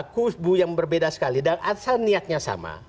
kusbu yang berbeda sekali dan asal niatnya sama